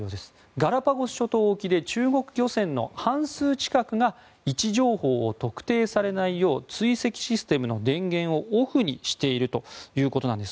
ガラパゴス諸島沖で中国漁船の半数近くが位置情報を特定されないよう追跡システムの電源をオフにしているということなんです。